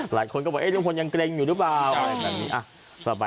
หลายคนก็บอกลุงพลยังเกร็งอยู่รึเปล่า